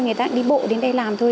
người ta đi bộ đến đây làm thôi